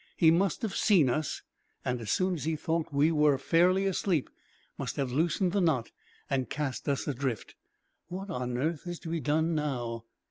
He must have seen us, and as soon as he thought we were fairly asleep must have loosened the knot and cast us adrift. What on earth is to be done, now?"